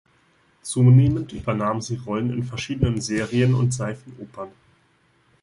Zunehmend übernahm sie Rollen in verschiedenen Serien und Seifenopern.